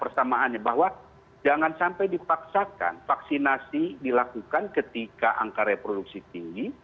persamaannya bahwa jangan sampai dipaksakan vaksinasi dilakukan ketika angka reproduksi tinggi